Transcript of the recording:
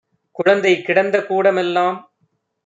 குழந்தை கிடந்த கூட மெல்லாம்